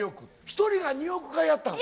１人が２億回やったの？